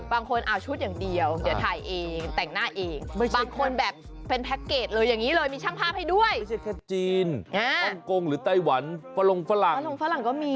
อังกงหรือไตยหวันฝรั่งก็มี